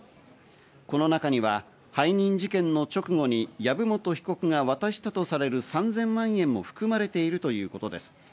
この中には背任事件の直後に籔本被告が渡したとされる３０００万円も含まれているということです。